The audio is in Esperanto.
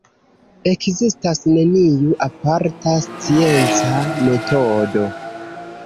Ekzistas neniu aparta scienca metodo.